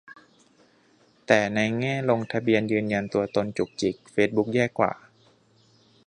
แต่ในแง่ลงทะเบียนยืนยันตัวตนจุกจิก เฟซบุ๊กแย่กว่า